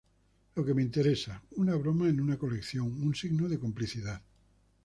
Lo que me interesa: una broma en una colección, un signo de complicidad".